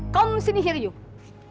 kamu disini yuk yuk